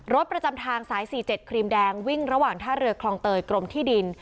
ประจำทางสาย๔๗ครีมแดงวิ่งระหว่างท่าเรือคลองเตยกรมที่ดิน